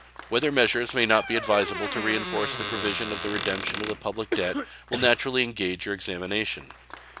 Whether measures may not be advisable to reinforce the provision of the redemption of the public debt will naturally engage your examination.